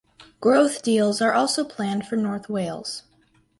Growth deals are also planned for North Wales